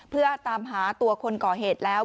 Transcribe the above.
เพื่อตามหาตัวคนก่อเหตุแล้ว